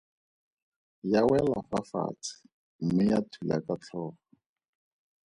Ya wela fa fatshe mme ya thula ka tlhogo.